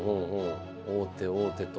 王手王手と。